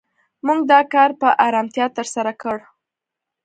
موږ دا کار په آرامتیا تر سره کړ.